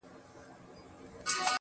هغه چي هيڅو نه لري په دې وطن کي_